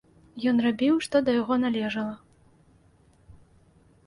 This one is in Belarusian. Ён рабіў, што да яго належала.